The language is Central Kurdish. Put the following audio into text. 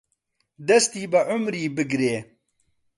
دەستی بە عومری بگرێ